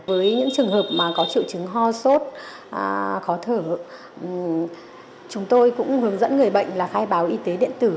với những trường hợp mà có triệu chứng ho sốt khó thở chúng tôi cũng hướng dẫn người bệnh là khai báo y tế điện tử